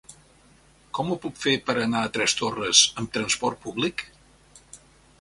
Com ho puc fer per anar a Torres Torres amb transport públic?